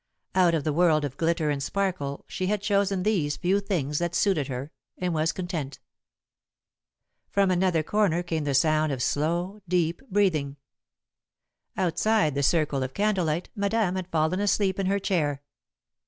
Out of the world of glitter and sparkle, she had chosen these few things that suited her, and was content. [Sidenote: Madame in the Moonlight] From another corner came the sound of slow, deep breathing. Outside the circle of candlelight, Madame had fallen asleep in her chair.